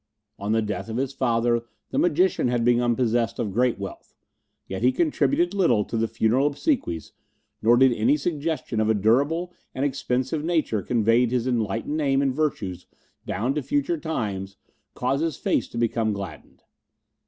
On the death of his father the magician had become possessed of great wealth, yet he contributed little to the funeral obsequies nor did any suggestion of a durable and expensive nature conveying his enlightened name and virtues down to future times cause his face to become gladdened.